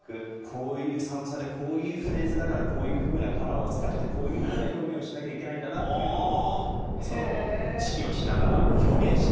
こういう寒さでこういうフレーズだからこういう風なカラーを使ってこういう風な表現をしなきゃいけないんだなっていうのを指揮をしながら表現しながらやるんです。